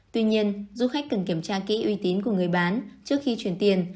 tuy nhiên du khách cần kiểm tra kỹ uy tín của người bán trước khi chuyển tiền